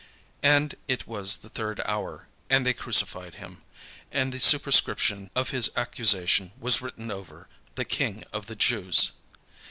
And it was the third hour, and they crucified him. And the superscription of his accusation was written over: "THE KING OF THE JEWS."